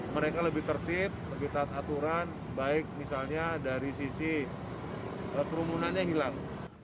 mereka lebih tertib lebih taat aturan baik misalnya dari sisi kerumunannya hilang